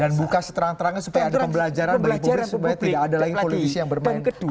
dan buka seterang terangnya supaya ada pembelajaran dari publik supaya tidak ada lagi politisi yang bermain api seperti itu